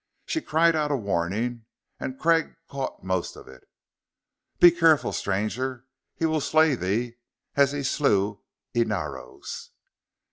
She cried out a warning, and Craig caught most of it. "Be careful, Stranger! He will slay thee as he slew Inaros!"